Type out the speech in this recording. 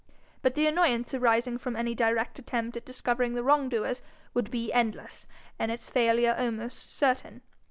But the annoyance arising from any direct attempt at discovering the wrongdoers would be endless, and its failure almost certain.